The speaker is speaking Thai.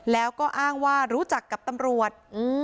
แล้วก็อ้างว่ารู้จักกับตำรวจ